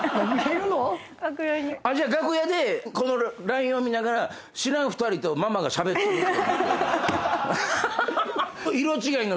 じゃあ楽屋で見ながら知らん２人とママがしゃべってるって思ってる。